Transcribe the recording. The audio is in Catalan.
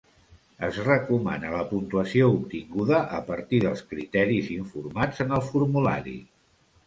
Es recomana la puntuació obtinguda a partir dels criteris informats en el formulari.